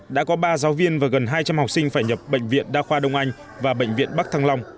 đã có ba giáo viên và gần hai trăm linh học sinh phải nhập bệnh viện đa khoa đông anh và bệnh viện bắc thăng long